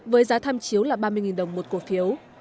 với giá tham chiếu là ba mươi đồng một cổ phiếu